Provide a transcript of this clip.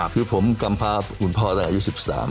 คือผมกรรมภาพหุ่นพ่อตั้งแต่ในปี๒๓